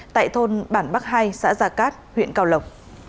tại thôn bản bắc hai xã già cát huyện cao lộc